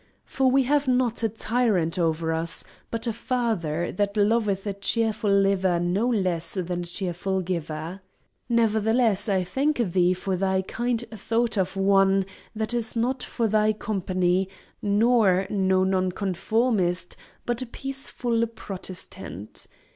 For we have not a tyrant over us, but a Father, that loveth a cheerful liver no less than a cheerful giver. Nevertheless, I thank thee for thy kind thought of one that is not of thy company, nor no Nonconformist, but a peaceful Protestant.